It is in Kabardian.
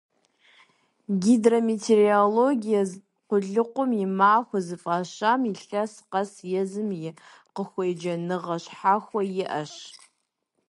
«Гидрометеорологие къулыкъум и махуэ» зыфӀащам илъэс къэс езым и къыхуеджэныгъэ щхьэхуэ иӀэщ.